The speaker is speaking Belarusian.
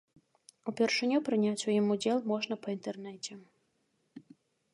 Упершыню прыняць у ім удзел можна па інтэрнэце.